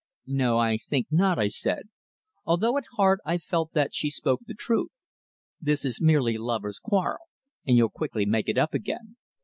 "No, I think not," I said, although at heart I felt that she spoke the truth. "This is merely a lover's quarrel, and you'll quickly make it up again.